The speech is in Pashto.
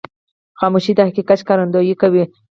خاموشي، د حقیقت ښکارندویي کوي.